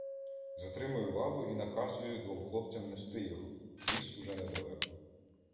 Затримую лаву і наказую двом хлопцям нести його — ліс уже недалеко.